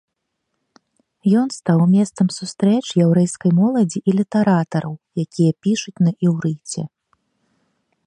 Ён стаў месцам сустрэч яўрэйскай моладзі і літаратараў, якія пішуць на іўрыце.